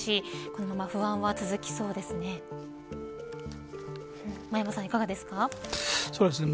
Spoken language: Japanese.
このまま不安は続きそうですね。